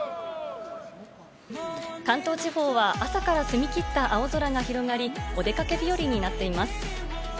関東地方は朝から澄み切った青空が広がり、お出かけ日和になっています。